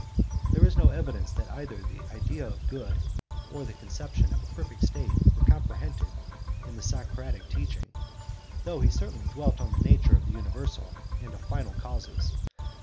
There is no evidence that either the idea of good or the conception of a perfect state were comprehended in the Socratic teaching, though he certainly dwelt on the nature of the universal and of final causes (cp.